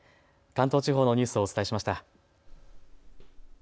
関東地方のニュースをお伝えしました。